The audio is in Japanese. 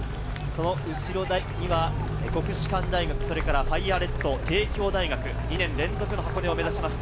その後ろには国士舘大学、それからファイヤーレッド・帝京大学２年連続の箱根を目指します。